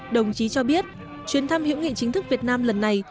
đồng chí cho biết chuyến thăm hữu nghị chính thức việt nam lần này